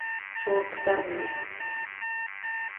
¿Zó ctamya?